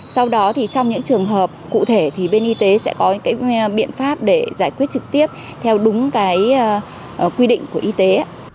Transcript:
sau đó thì trong những trường hợp cụ thể thì bên y tế sẽ có cái biện pháp để giải quyết trực tiếp theo đúng cái quy định của y tế